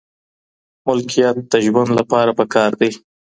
ملکيت د ژوند لپاره پکار دی.